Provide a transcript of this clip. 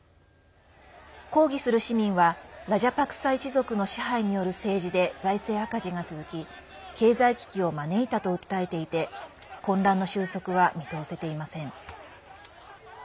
抗議する市民はラジャパクサ一族の支配による政治で財政赤字が続き経済危機を招いたと訴えていて混乱の収束は見通せていません。